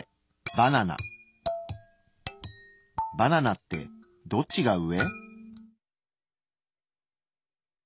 バナナってどっちが上？